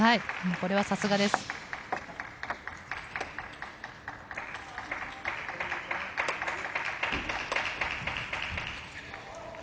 これはさすがです。